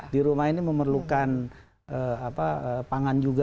di rumah ini memerlukan pangan juga